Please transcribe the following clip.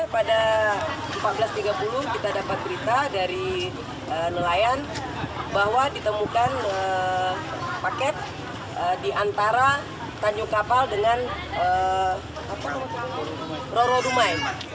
pada empat belas tiga puluh kita dapat berita dari nelayan bahwa ditemukan paket di antara kanjur kapal dengan ro ro dumai